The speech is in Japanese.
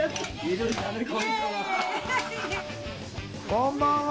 こんばんは。